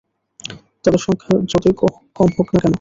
তাদের সংখ্যা যতই কম হোক না কেন।